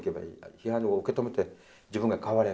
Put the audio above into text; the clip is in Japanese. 批判を受け止めて自分が変わればいい。